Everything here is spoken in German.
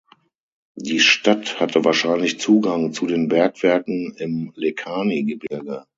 Die Stadt hatte wahrscheinlich Zugang zu den Bergwerken im Lekani-Gebirge.